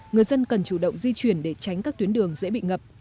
người dân cần chủ động di chuyển để tránh các tuyến đường dễ bị ngập